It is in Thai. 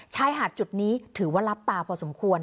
ชายหาดจุดนี้ถือว่ารับตาพอสมควร